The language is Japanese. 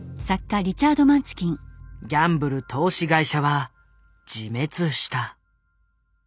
ギャンブル投資会社は自滅した。